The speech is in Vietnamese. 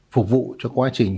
phục vụ cho quá trình